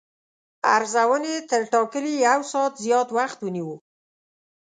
ارزونې تر ټاکلي یو ساعت زیات وخت ونیو.